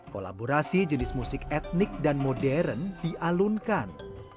kolaborasi jenis musik etnik dan modern dialunkan